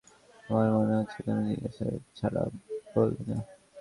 এমন মনে হচ্ছে, তুমি জিজ্ঞাসা ছাড়া বলবে না।